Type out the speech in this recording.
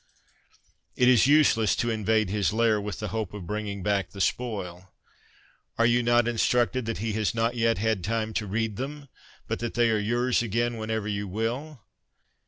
It is useless to invade his lair with the hope of bringing back the spoil. Are you not instructed that he has not yet had time to read them, but that they are yours again whenever you will